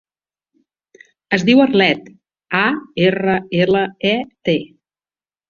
Es diu Arlet: a, erra, ela, e, te.